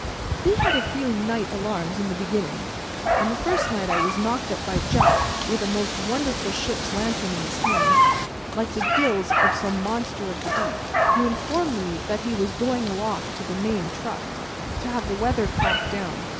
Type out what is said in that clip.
We had a few night alarms in the beginning. On the first night, I was knocked up by Jack with a most wonderful ship's lantern in his hand, like the gills of some monster of the deep, who informed me that he "was going aloft to the main truck," to have the weathercock down.